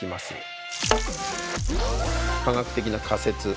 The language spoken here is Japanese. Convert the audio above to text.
科学的な仮説。